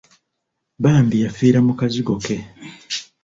Bambi yaffiira mu kazigo ke.